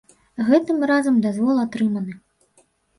Гэтым разам дазвол атрыманы.